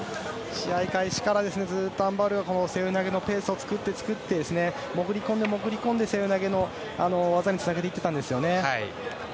試合開始からアン・バウルがこの背負い投げのペースを作って、作って潜り込んで、潜り込んで背負い投げの技につなげたんですよね。